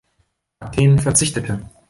Athen verzichtete.